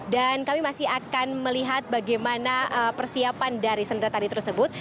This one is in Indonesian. dan kami masih akan melihat bagaimana persiapan dari sendratari tersebut